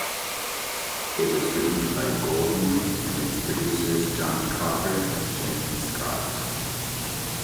It was written by Goulding and its producers Jonny Coffer and Jamie Scott.